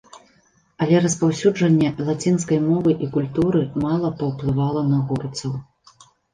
Але распаўсюджанне лацінскай мовы і культуры мала паўплывала на горцаў.